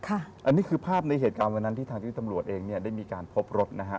อันนี้คือภาพในเหตุการณ์วันนั้นที่ทางที่ตำรวจเองเนี่ยได้มีการพบรถนะฮะ